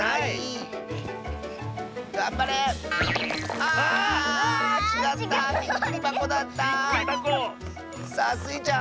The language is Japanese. さあスイちゃん。